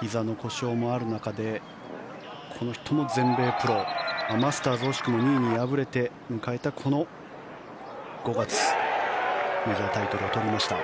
ひざの故障もある中でこの人も全米プロマスターズ惜しくも２位に敗れて迎えたこの５月メジャータイトルを取りました。